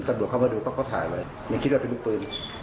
ก็ดูเข้ามาดูก็เขาถ่ายไว้ไม่คิดว่าเป็นลูกปืน